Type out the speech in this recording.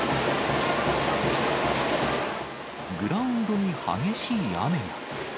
グラウンドに激しい雨が。